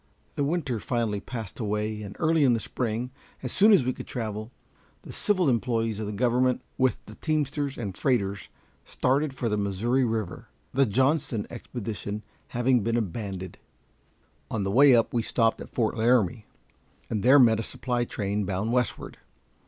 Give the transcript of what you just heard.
The winter finally passed away, and early in the spring, as soon as we could travel, the civil employés of the government, with the teamsters and freighters, started for the Missouri River, the Johnston expedition having been abandoned. On the way up we stopped at Fort Laramie, and there met a supply train bound westward.